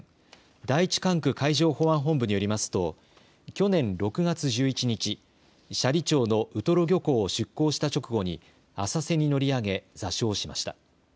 第１管区海上保安本部によりますと去年６月１１日、斜里町のウトロ漁港を出港した直後に浅瀬に乗り上げ座礁しました。